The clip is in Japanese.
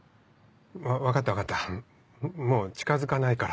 分かった分かったもう近づかないから。